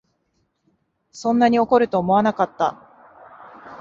そんなに怒るとは思わなかった